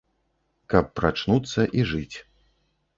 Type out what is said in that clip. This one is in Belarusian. Каб прачнуцца і жыць.